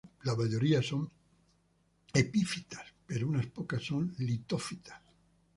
La mayoría son epífitas, pero unas pocas son litófitas.